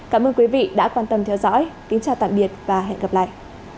cảm ơn quý vị đã quan tâm theo dõi kính chào tạm biệt và hẹn gặp lại